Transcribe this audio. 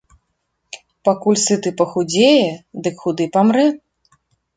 Пакуль сыты пахудзее, дык худы памрэ.